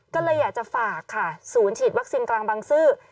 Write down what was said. ก็เลยอยากจะฝากค่ะศูนย์ฉีดวัคซีนกลางบางซื่อ